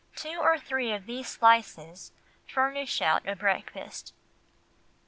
Two or three of these slices furnish out a breakfast."